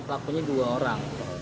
pelakunya dua orang